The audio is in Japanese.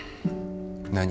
何？